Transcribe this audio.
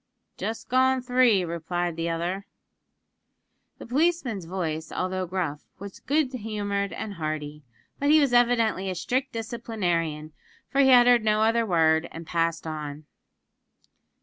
"Just gone three," replied the other. The policeman's voice, although gruff, was good humoured and hearty; but he was evidently a strict disciplinarian, for he uttered no other word, and passed on.